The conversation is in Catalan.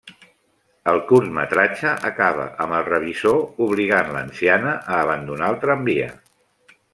El curtmetratge acaba amb el revisor obligant l'anciana a abandonar el tramvia.